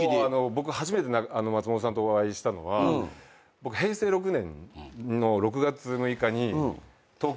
僕初めて松本さんとお会いしたのは平成６年の６月６日に東京に出てきたんですよ。